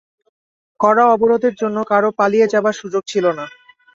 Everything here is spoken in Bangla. কড়া অবরোধের জন্য কারো পালিয়ে যাবার সুযোগ ছিল না।